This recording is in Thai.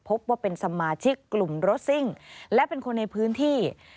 พบว่าเป็นสมาชิกกลุ่มรถซิ่งและเป็นคนในพื้นที่